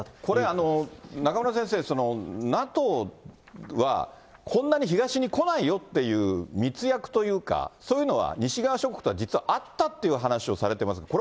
これ、中村先生、ＮＡＴＯは、こんなに東に来ないよっていう密約というか、そういうのは西側諸国とは実はあったっていう話をされてます。